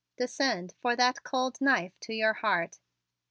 Descend for that cold knife to your heart!"